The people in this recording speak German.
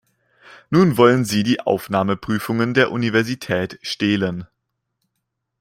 Nun wollen sie die Aufnahmeprüfungen der Universität stehlen.